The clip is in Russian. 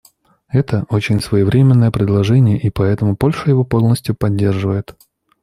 Это — очень своевременное предложение, и поэтому Польша его полностью поддерживает.